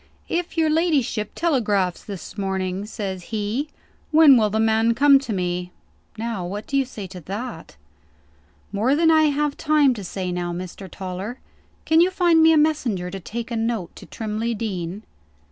'If your ladyship telegraphs this morning,' says he, 'when will the man come to me?' Now what do you say to that?" "More than I have time to say now, Mr. Toller. Can you find me a messenger to take a note to Trimley Deen?"